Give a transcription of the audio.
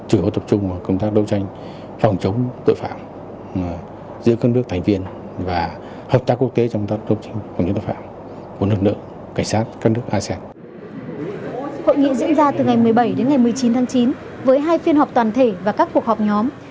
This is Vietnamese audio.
hội nghị diễn ra từ ngày một mươi bảy đến ngày một mươi chín tháng chín với hai phiên họp toàn thể và các cuộc họp nhóm